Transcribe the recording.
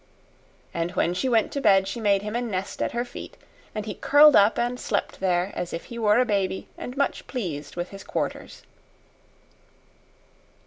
And when she went to bed she made him a nest at her feet, and he curled up and slept there as if he were a baby and much pleased with his quarters.